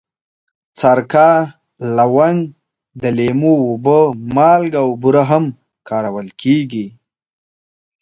سرکه، لونګ، د لیمو اوبه، مالګه او بوره هم کارول کېږي.